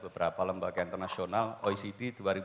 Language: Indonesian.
beberapa lembaga internasional oecd